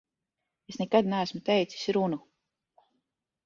Es nekad neesmu teicis runu.